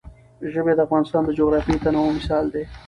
ژبې د افغانستان د جغرافیوي تنوع یو مثال دی.